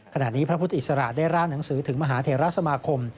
ขณะนี้พระพุทธอิสระได้ร่างหนังสือถึงมหาเทราสมาคม